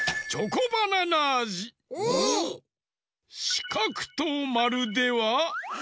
しかくとまるでは？